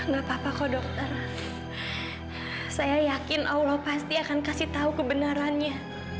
gak apa apa kau dokter saya yakin allah pasti akan kasih tahu kebenarannya